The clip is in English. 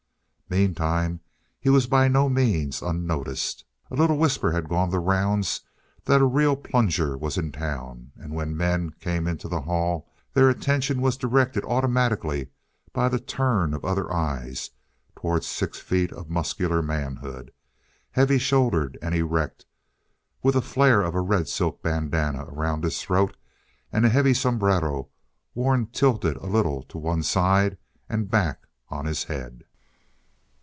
Meantime he was by no means unnoticed. A little whisper had gone the rounds that a real plunger was in town. And when men came into the hall, their attention was directed automatically by the turn of other eyes toward six feet of muscular manhood, heavy shouldered and erect, with a flare of a red silk bandanna around his throat and a heavy sombrero worn tilted a little to one side and back on his head.